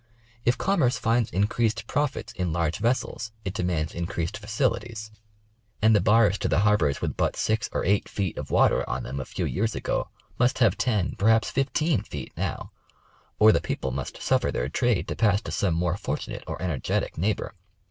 If commerce ■ finds increased profits in large vessels it demands increased facilities, and the bars to the har 7 68 National GeographiG Magazine. bors with but six or eight feet of water on them a few years ago, must have ten, perhaps fifteen feet now, or the people must suffer their trade to pass to some more fortunate or energetic Tieighbor.